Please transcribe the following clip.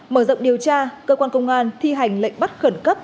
mở rộng điều tra cơ quan công an thi hành lệnh bắt khẩn cấp